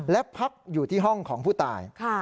และพักอยู่ที่ห้องของผู้ตาย